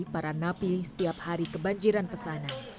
para napi setiap hari kebanjiran pesanan